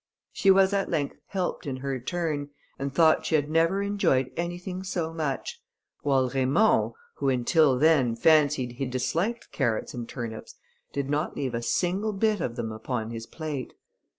She was at length helped in her turn, and thought she had never enjoyed anything so much; while Raymond, who, until then, fancied he disliked carrots and turnips, did not leave a single bit of them upon his plate.